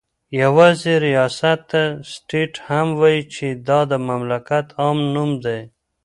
يوازي رياست ته سټيټ هم وايي چې دا دمملكت عام نوم دى